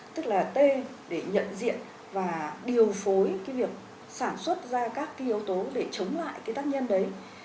tức là t để nhận diện và điều phối cái việc sản xuất ra các cái yếu tố để chống lại cái tác nhân đấy